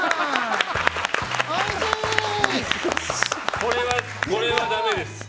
これはだめです。